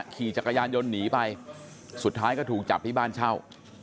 ขี่จักรยานยนต์หนีไปสุดท้ายก็ถูกจับที่บ้านเช่า